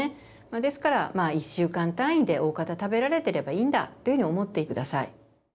ですから１週間単位でおおかた食べられてればいいんだというふうに思って下さい。